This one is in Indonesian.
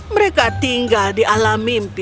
mereka tinggal di alam mimpi